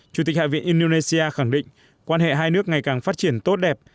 chủ tịch hạ viện indonesia khẳng định quan hệ hai nước ngày càng phát triển tốt đẹp